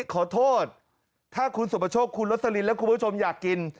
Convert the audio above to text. ขอโทษถ้าคุณสุประโชคคุณลสลินและคุณผู้ชมอยากกิน